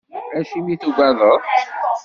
Acimi tugadeḍ?